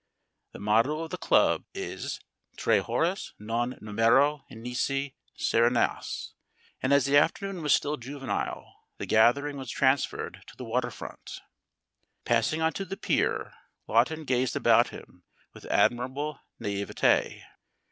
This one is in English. The motto of the club is Tres Horas Non Numero Nisi Serenas, and as the afternoon was still juvenile the gathering was transferred to the waterfront. Passing onto the pier, Lawton gazed about him with admirable naïveté.